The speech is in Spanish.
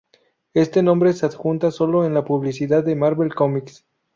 Este nombre se adjunta sólo en la publicidad de Marvel Comics.